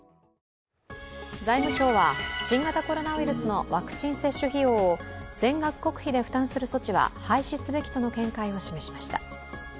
財務省は、新型コロナウイルスのワクチン接種費用を全額国費で負担する措置は廃止すべきとの見解を示しました。